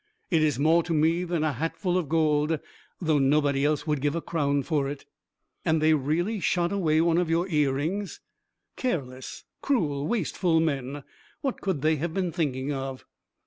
It is more to me than a hatful of gold, though nobody else would give a crown for it." "And they really shot away one of your earrings? Careless, cruel, wasteful men! What could they have been thinking of?"